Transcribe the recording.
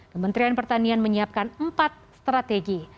kementerian pertanian menyiapkan empat strategi